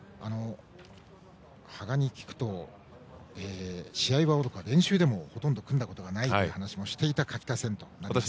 羽賀に聞くと試合はおろか練習でもほとんど組んだことがないという話をしていた垣田戦となります。